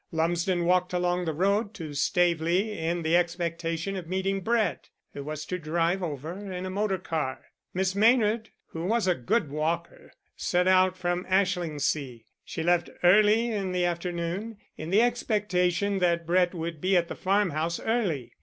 Lumsden walked along the road to Staveley in the expectation of meeting Brett, who was to drive over in a motor car. Miss Maynard, who was a good walker, set out from Ashlingsea. She left early in the afternoon, in the expectation that Brett would be at the farmhouse early.